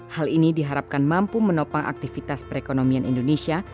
hal ini diharapkan mampu menopang aktivitas perekonomian indonesia